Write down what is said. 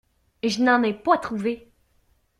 Je n’en ai pas trouvé.